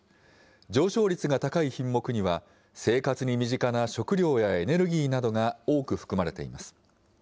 上昇率が高い品目には、生活に身近な食料やエネルギーなどが多く含まれています。